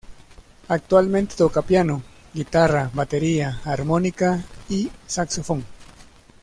Actualmente toca piano, guitarra, batería, armónica y saxofón.